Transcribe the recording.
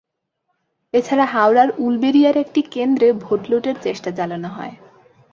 এ ছাড়া হাওড়ার উলবেড়িয়ার একটি কেন্দ্রে ভোট লুটের চেষ্টা চালানো হয়।